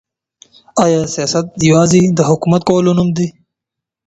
آیا سیاست یوازي د حکومت کولو نوم دی؟